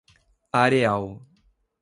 Areal